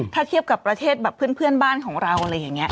ถ้าเทียบกับประเทศแบบเพื่อนบ้านของเราอะไรอย่างนี้